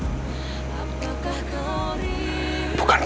gue gak tepat buat lo